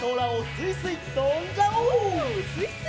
すいすい！